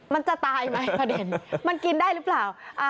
มันจะตายไหมประเด็นมันกินได้หรือเปล่า